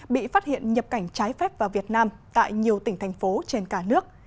bị phát hiện nhập cảnh trái phép vào việt nam tại nhiều tỉnh thành phố trên cả nước